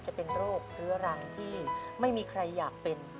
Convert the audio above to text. จะเป็นโรคเรื้อรังที่ไม่มีใครอยากเป็น